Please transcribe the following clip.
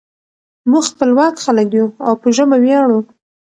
موږ خپلواک خلک یو او په ژبه ویاړو.